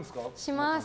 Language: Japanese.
します。